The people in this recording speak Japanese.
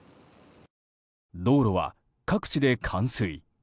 道路は各地で冠水。